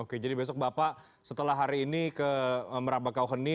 oke jadi besok bapak setelah hari ini ke merabakauheni